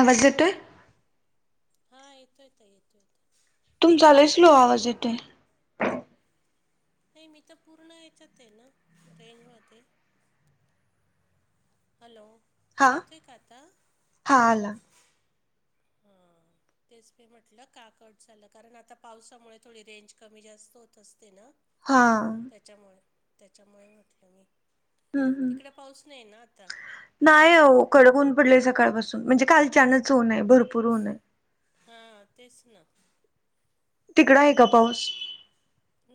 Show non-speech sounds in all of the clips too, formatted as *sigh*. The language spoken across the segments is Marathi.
आवाज येतोय? हा येतोय आता येतोय आता तुमचा लयी स्लो आवाज येतोय. नाही मी तर पूर्ण याच्यात आहे ना रेंजमध्ये. हॅलो हा येतोय का आता? हा आला. हां. तेच मी म्हटलं का कट झालं कारण आता पावसामुळे थोडी रेंज कमी जास्त होत असते ना. हा. त्याच्यामुळे त्याच्यामुळे म्हटलं मी हम्म तिकडं पाऊस नाही ना आता. नाही हो कडक होऊन पडलेय सकाळपासून म्हणजे कालचनच ऊने आहे भरपूर ऊन हाय. हा तेच ना. तिकड आहे का पाऊस?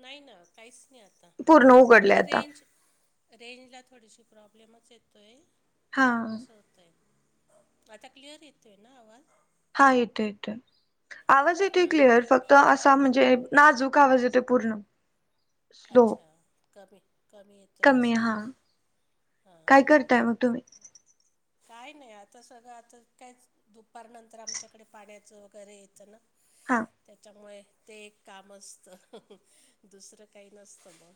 नाही ना काहिच नाही आता पूर्ण माझ्यावर पण उघडलाय ते आता रेंज रेंजला थोडीशी प्रॉब्लेमच येतोय हा असं होतंय. आता क्लिअर येतोय ना आवाज? हा येते येते आवाज येते क्लिअर हां फक्त असा म्हणजे नाजूक आवाज येतोय पूर्ण स्लो अच्छा कमी कमी येतोय कमी असं. हा हां काय हां करताय मग तुम्ही? काय नाही आता सगळं आता कायच दुपारनंतर आमच्याकडे पाण्याचं वगैरे येतं ना. हा त्याच्यामुळे ते एक काम असतं दुसरं काही नसतं मग.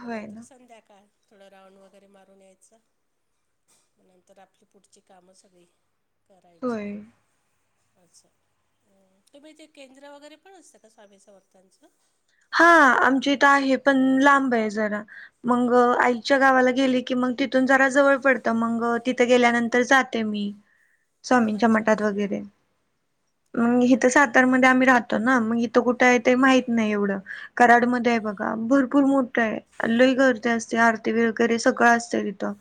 मग होय ना नंतर संध्याकाळ थोडं राऊंड वगैरे मारून यायचं नंत तर आपली पुढची कामं सगळी करायची. होय अच्छा तुम्ही तेे केंद्र वगैरे पण असतं का स्वामी समर्थांचं? हा आमची ईथ आहे पण लांब आहे जरा मग आ च्या हो गावाला का गेली की मग तिथून जरा जवळ पडत मग तिथ गेल्यानंतर जाते मी. स्वामींच्या अच्छा मठात अच्छा वगैरे मग इथं हां सातारमध्ये आम्ही राहतो ना मग तो कुठं आहे ते हां माहित हां नाही एवढं. कराडमध्ये आहे बघा भरपूर मोठं आहे आणि लयी गर्दी असत्या आरती वगैरे सगळं असते तिथे.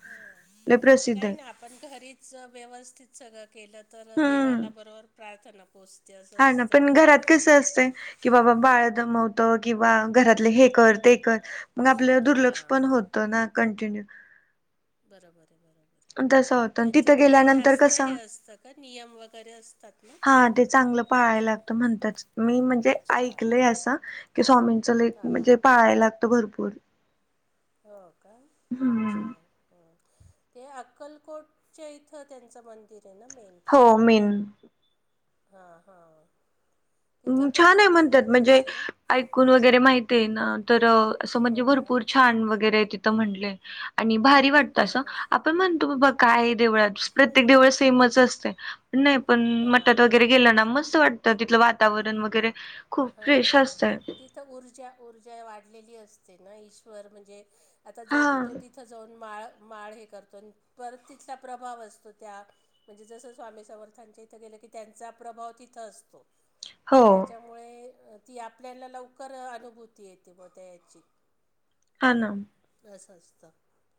लयी ते प्रसिद्ध काही आहे. नाही आपण घरीच व्यवस्थित सगळं केलं तर हम्म देवाला बरोबर प्रार्थना पोहोचत हा ना पण घरात कस असतय कि बाबा बाळ दमवत किंवा घरातले हे कर ते कर मग आपलं दुर्लक्ष हां पण होत तो ना कंटिन्यू बरंबरं बर. तसं होतं आणि त्यांचं तिथं काही गेल्यानंतर जास्त हे कसं असतं का नियम वगैरे असतात ना ते? पाळाय लागत म्हणतच मी म्हणजे अच्छा ऐकलय असं की स्वामींच लयी हां हां म्हणजे पाळाय त भरपूर हा का हम्म अच्छा हा. ते अक्कलकोटच्या इथं त्यांचं मंदिर आहे ना मेन? हो मेन हा हा तिथं पण भरपूर गर्दी असते ना? कोण वगैरे माहित आहे ना तर असं म्हणजे हो का भरपूर छान वगैरे आहे तिथं म्हंटले आणि भारी वाटत हां असं हां आपण म्हणतो बाबा काय देवळात प्रत्येक देवळ सेमच असते नाही पण मटात हां वगैरे गेलं ना मस्त वाटतं तिथलं वा वातावरण वगैरे खूप फ्रेश असतय. त ऊर्जा ऊर्जा वाढलेली असते ना ईश्वर म्हणजे आता हा जोपतो ति तिथं जाऊन माळ माळ हे करतो परत तिथला प्रभाव असतो त्या म्हणजे जसं स्वामी समर्थांच्या इथं गेलं की त्यांचा प्रभाव तिथं असतो. हो त्याच्यामुळे ती आपल्याला लवकर अनुभूती येते म त्या याची. हा नाम असं असतं.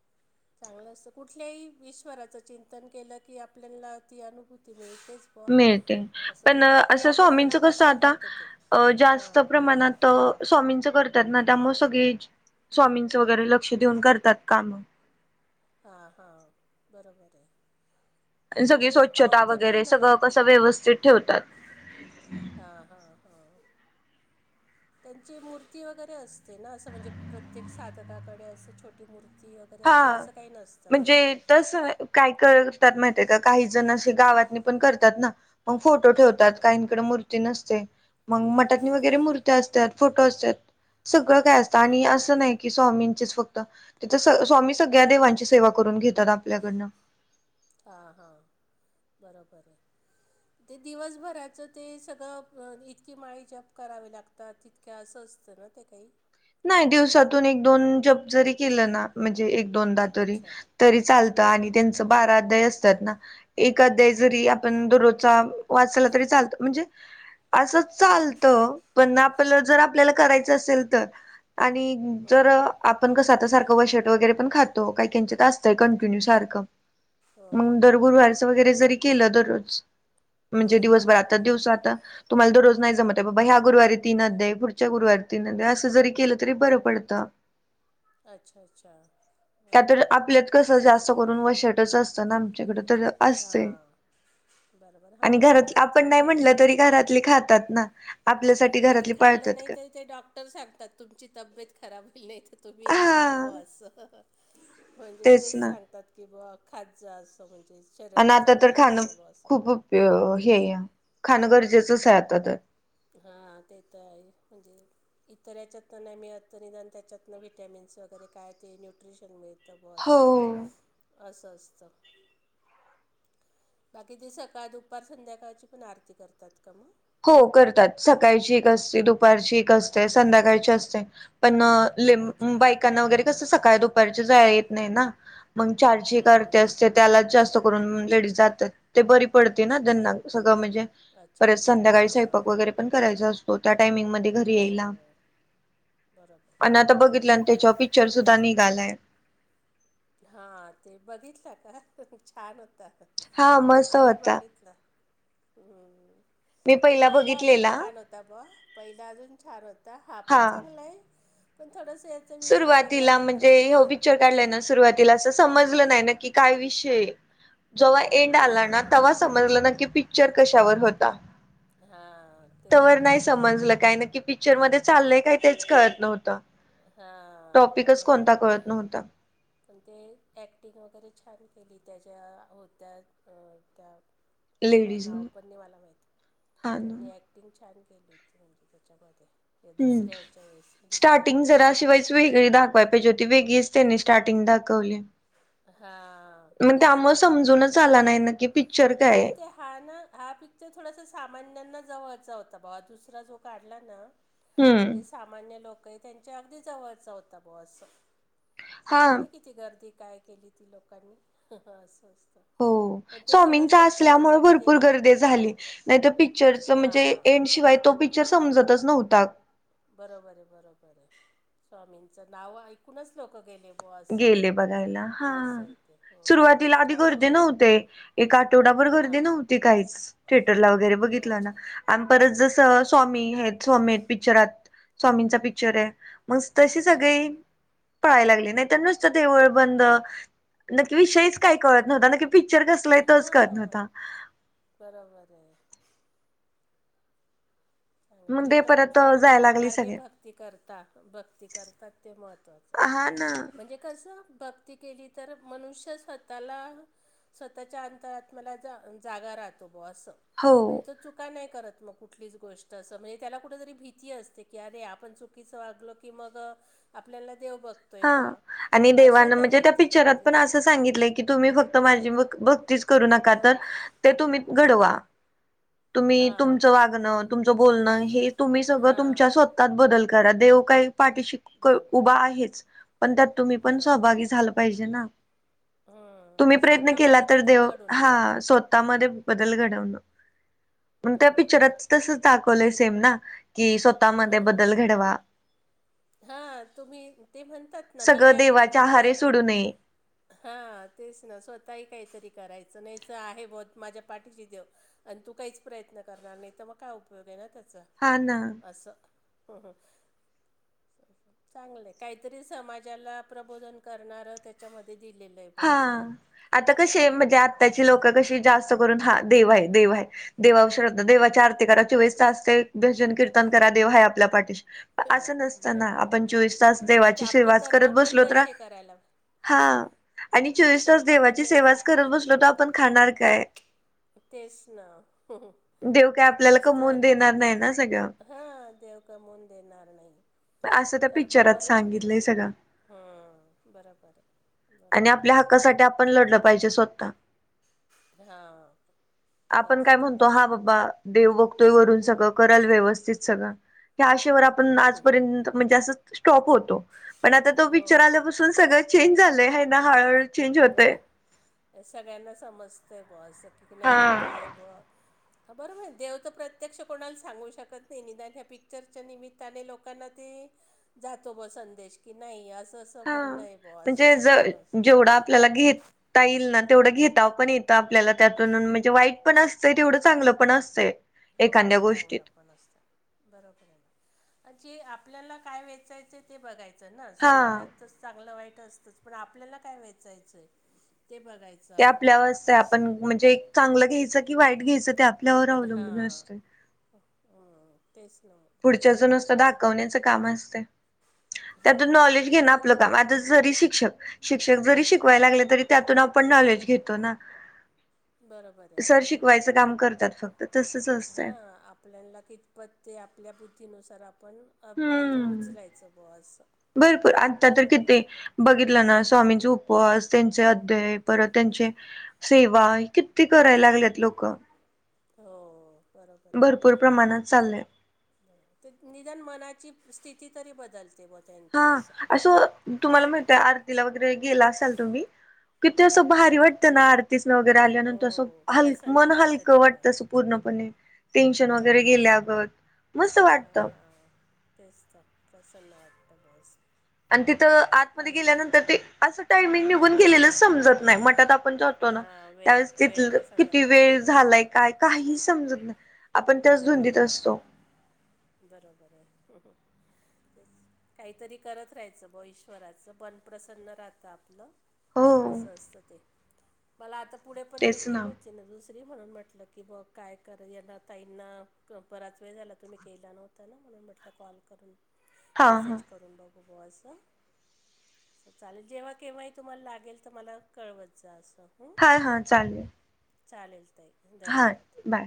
*inaudible* चांगलं असतं कुठल्याही ईश्वराचं चिंतन केलं की आपल्यांला ती अनुभूती मिळतेच बुवा मिळते पण जे असं आपण स्वामींचं कसं मनापासनं आता करतो ते अ जास्त हां प्रमाणात त स्वामींचं करत्यात ना त्यामुळे सगळी स्वामींचं वगैरे लक्ष देऊन करतात कामं. हां हां बरोबर आहे. आणि सगळी ते स्वच्छता पावते पण वगैरे ना सगळं लवकर कसं व्यवस्थित ठेवतात. हा हा हा. त्यांची मूर्ती वगैरे असते ना असं म्हणजे प्रत्येक साधकाकडे असं छोटी मूर् हा म्हणजे तसं नाय काय करतात माहित आहे का काही जण अशे गावात पण करतात ना मग फोटो ठेवतात हं. काही इकडं मूर्ती नसते मग मठातनी वगैरे मूर्तीया असत्यात फोटो असत्यात. सगळं काय असतं आणि असं नाही कि स्वामींचेच फक्त ते स स्वामी सगळ्या देवांची सेवा करून घेतात आपल्याकडनं. हां हां बरोबर आहे. *inaudible* ते दिवसभराचं ते सगळं पण इतकी माळी जप करावे लागतात तित के असं असतं ना ते काही. नाही दिवसातून एक दोन जप जरी केलं ना म्हणजे एक दोन दा तरी अच्छा तरी चालतं आणि हां त्यांचं बारा अध्याय असत्यात ना एक अध्याय जरी आपण दररोजचा वाचला तरी चालतं म्हणजे असंच चालतं पण आपलं जर आपल्याला करायचं असेल तर आणि जर हां हां आप पण कसं आता सारखं सारखं वशट वगैरे पण खातो काय किंचित असतंय कंटिन्यू सारखं हो मंग दर हो गुरुवारचं वगैरे बरोबर आहे जरी केलं दररोज हो म्हणजे दिवसभर आता दिवसा आता तुम्हाला दररोज नाही जमत आहे बाबा ह्या गुरुवारी तिन अध्याय पुढच्या गुरुवारी तीन अध्याय असं जरी केलं तरी बरं पडतं. अच्छा अच्छा हो त्यातून काय. आपल्यात कसं जास्त करून वशटच असतं ना आमच्याकडं तर असतय हां बरोबर आणि हा ते घरात आपण नाही प्रत्येक म्हटलं जण तरी घरातले खातात ना. आपल्यासाठी आणि घरातली खाल्लं पाळतात का नाहीतरी ते डॉक टर सांगतात तुमची तब्येत खराब होयले तर तुम्ही हे खा हा बं असं. म्हणजे तेच सांगतात कि बा खात जा असं म्हणजे शरीराला चांगलं असतं ब असं. प्यो हे अ खाणं गरजेचंच आहे आता तर. हा ते तर आहे म्हणजे इतर याच्यातनं नाही मिळत निदान त्याच्यातनं व्हिटामिन्स वगैर काय ते न्यूट्रिशन मिळ त ब असं हो. असं असतं. बाकी ते सकाळ दुपार संध्याकाळची पण आरती करतात का म? हो करतात सकाळची एक असते, दुपारची एक असते, संध्याकाळची असते पण न लिम अच्छा बायकांना वगैरे कसं सकाळ दुपारच्या जाय येत नाही ना मग चारची एक हं, हं. आरती अस चे त्याला जास्त करून लेडीज जातात ते बरी पडते ना त्यांना सगळं म्हणजे अच्छा संध्याळी हां हां स्वंयपाक वगैरे पण करायचा असतो त्या टायमिंगमध्ये घरी यायला हो बरोबर आणि आता बघितलं आणि त्याच्यावर बरोबर पिक्चर सुद्धा निघालाय. हा ते बघितला का छान होता. हा मस्त आम्ही होता. बघितला हम्म. मी तो पहिला अजून बघितलेला छान होता ब. पहिला अजून छान होता हा पण चांगला आहे पण थोडसा सुरुवातीला म्हणजे हो पिक्चर काढलाय ना सुरुवातीला असं समजलं नाही नक्की काय विषय जेव्हा एंड हम्म आला ना, हम्म तेव्हा समजलं की पिक्चर कशावर होता. हा तवर नाही समजलं काय ना की पिक्चर मध्ये चाललंय काय तेच कळत नव्हतं हां टॉपिकच कोणता बरोबर आहे कळत नव्हता पण ते ॲक्टिंग वगैरे छान केली त्याच्या होत्या त्या काही लेडीजना नाव पण नाही मला माहित हा ना त्यांनी कटिंग छान केली होती म्हणजे त्याच्यामध्ये हम्म. दुसऱ्याच्या वेळेस दुसऱ्या स्टार्टिंग जरा पिक्चरमध्ये शिवायच वेगळी दाखवाय पाहिजे होती वेगळीच त्यांना स्टार्टिंग दाकावली हां मण त्याम समजूनच आला नाही न की पिक्चर काय पन आहे त्या हा ना हा पिक्चर थोडासा सामान्यांना जवळचा होता बाबा दुसरा जो काढला ना हम्म जे सामान्य लोक आहे त्यांच्या अगदी जवळचा होता बॉस हा माहित नाही किती गर्दी काय केली ती लोकांनी असंतं हो स्वामींग त्या असल्यामुळे भरपुर देणार गर्दी होते झाली नाही तर पीक्चरच म्हणजे हां एन्ड शिवाय समजतच नव्हत. बरोबर आहे बरोबर आहे स्वामींचं नाव ऐकूनच लोक गेले बुवा असं गेले बघायला हा असं आहे ते हो हो सुरुवातीला आधी छान गर्दीे भूमिका नव्हते एक आठवडाभर हां गर्दी हां नव्हती काहीच थिएटरला वगैरे बघितलं ना अच्छा आणि परत जसं अच्छा स्वामी हे स्वामी पिक्चरात स्वामींचा पिक्चर आहे मग तसे हं, सगळे हं. पयला लागले नाही ते नुसता देऊळ बंद, नक्की विषय च काय कळत न्हवता पिकच्चर कसय तोच करत हां नव्हता बरोबर आहे मग ते लोक परत कुठल्या ना जायला कुठल्या लागली मार्गे सगळे. भक्ती करतात भक्ती करतात ते महत्त्वाचं. हा ना म्हणजे कसं भक्ती केली तर मनुष्य स्वतःला स्वतःच्या अंतरात मला जा जागा राहतो असं म्हणजे हो. येथे चुका नाही करत मग कुठलीच गोष्ट तस म्हणजे त्याला कुठ तरी भीती असते की अरे आपण चुकीचं वागल की मग आपल्याला देव बघतोय हा. बा आणि अशा देवानं म्हणजे तऱ्हेने त्या ती पिक्चरात भक्ती पण असे असं सांगितलंय की तुम्ही फक्त माझी भक्तीच करू नका तर ते तुम्ही घडवा तुम्ही तुमचं हां वागणं तुमचं बोलणं हे तुम्ही सगळं तुमच्या हां स्व त्यात बदल करा देव काही पाठीशी बरोबर उभा आहेच पण त्यात तुम्ही पण बरोबर आहे. सहभागी झालं पाहिजे ना हम्म तुम्ही प्रयत्न केला स्वतःमध्ये तर बदल देव घडून हा आणायचे. स्वतः मधे बदल घडवलं, मग त्या बरोबर आहे. पिक्चरात तस दाखवलं सेम ना की हम्म हम्म हा तुम्ही ते म्हणतात- ना मी काय ते नाही. हा तेच ना स्वतःही काहीतरी करायचं नाहीच आहे बत माझ्या पाठीशी देव आणि तू काहीच प्रयत्न करणार नाही तर मग काय उपयोग आहे ना त्याचा हा ना अस चांगलं काहीतरी समाजाला प्रबोधन करणार त्याच्यामध्ये दिलेलं. आहे ब हा असं आता कसे म्हणजे आत्ताची लोक कशी जास्त करून हा देव आहे देव आहे देवावर श्रद्धा देवाची आरती करा चोवीस तास ते भजन कीर्तन करा देव आहे आपल्या पाठीशी ह असं नसत ना बरोबर आहे आपण चोवीस तास पण ते देवाची आपले शेवाच करत कर्म पण बसलोत रा तसे करायला हा आणि चोवीस तास कर्म पण देवाची व्यवस्थित सेवाच करत पाहिजे बसलो तरो आपण खाणार काय तेच ना देव काय आपल्याला कमवून देणार नाही ना सगळं. हा देव कमवून देणार नाही. असं त्या पिक्चरात सांगितलंय सगळं. हा बराबर आहे. बरोबर आणि आहे आपल्या हक्कासाठी आपण लढलं पाहिजे स्वतः. हां आपण तेच काय तेच म्हणतो हा बाबा देव बघतोय वरून सगळं कराल व्यवस्थित सगळं ह्या आशेवर आप पण आज पर्यंत म्हणजे असं स्टॉप होतो पण आता तो हो पिक्चर आल्यापासून सगळं चेंज झालंय. हाय ना हळळ बरं या सगळ्यांना समजतंय ब असं की हा नाही काय ब हा बरोबर देव तर प्रत्यक्ष कोणाला सांगू शकत नाही निदांत ह्या पिक्चरच्या निमित्ताने लोकांना ती जातो ब संदेश की नाही असंस हा म्हणजे ज जेवढं आपल्याला घेत ताईल ना तेवढं घेता आपण येतं आपल्याला त्यातून म्हणजे वाईट पण असतंय तेवढं चांगलं पण असतंय. हो एखाद्या गोष्टीत चांगला जे आपल्याला काय वेचायचे ते बघायचं ना हा समाजात तसं चांगलं वाईट असतंच पण आपल्याला काय वेचायचंय ते बघाय ते आपल्यावरस आहे आपण म्हणजे एक चांगलं घ्यायचं की वाईट घ्यायचं ते आप हां हा तेच ना. पुढच्याच जुनसचं दाखवण्याचं कामं असतय. त्यातून हो नॉलेज घेण पण आपलं काम आता जरी शिक्षक शिक्षक जरी शिकवायला लागले तरी त्यातून आपण नॉलेज घेतो ना बरोबर सर आहे शीक वयचं काम करत्यात फक् ते तसच हा असतंय आपल्याला कित पत ते आपल्या बुद्धीनुसार आपण अप तिथून हम्म उचलायचं बुवा असं भरपूर आता तर चांगलं किती बघितलं ना स्वामींचे उपवास त्यांचे अध्याय परत त्यांचे सेवाय किती करायला लागल्यात लोकं. हो बरोबर आहे. पुर प्रमाणात चाललय. तिथ निदान मनाची स्थिती तरी बदलते बद हा असं तुम्हाला माहित आहे आरतीला वगैरे गेला असाल तुम्ही किती असं भारी हां वाटतं ना आरतीच न वगैरे आल्यानंतर असं हो हल प्रसन्न मन वाटतं हलकं तिकडं वाटतं सु पूर्णपणे टेन्शन वगैरे बरोबर आहे गेल्यागत मस्त हां वाटतं. हां तेच त प्रसन्न वाटतं बस. आणि तिथं आतमध्ये गेल्यानंतर ते असं टाइमिंग निघून गेलेलं समजत नाही मठात आपण जो तो ना हां त्यावेळेस वेळ वेळ तिथल कसा किती जातो ते वेळ झालाय काय काही समजत नाही आपण त्याच हां धुंदीत हां असतो. बरोबर आहे. तेच काहीतरी करत राहायचं ब ईश्वराचं बन प्रसन्न राहतं आपलं. हो असं असतं ते मला आता पुढे पण तेच मीटिंग ना होत तिनं दुसरी म्हणून म्हटलं की ब काय कर येदा ताईंना क पराच वेळ झाला तुम्ही केला नव्हता ना म्हणून म्हटलं कॉल करून हा हा मेसेज करून बघू ब असं. चालेल जेव्हा केव्हाही तुम्हाला लागेल तर मला कळवत जा असं हम्म. हा हा चालेल. चालेल ताई हा धन्यवाद. बाय